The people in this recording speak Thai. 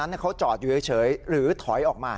เขาจอดอยู่เฉยหรือถอยออกมา